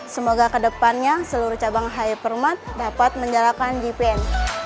semoga kedepannya seluruh cabang hypermat dapat menjalankan gpn